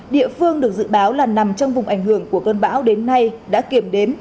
địa phương được dự báo là nằm trong vùng ảnh hưởng của cơn bão đến nay đã kiểm đếm